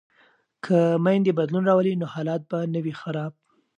که میندې بدلون راولي نو حالت به نه وي خراب.